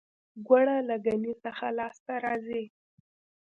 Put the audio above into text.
ګوړه له ګني څخه لاسته راځي